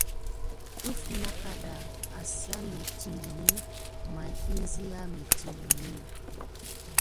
Def nɑŋ kaɗɑ əsap mettingən may ma iŋzinŋ mettingeni.